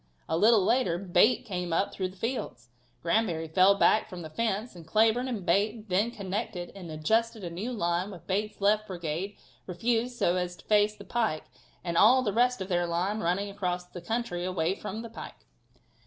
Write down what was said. A little later Bate came up through the fields, Granbury fell back from the fence and Cleburne and Bate then connected and adjusted a new line with Bate's left brigade refused so as to face the pike and all the rest of their line running across the country away from the pike.